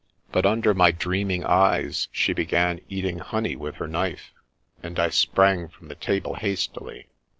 But under my dreaming eyes, she be gan eating honey with her knife, and I sprang from the table hastily.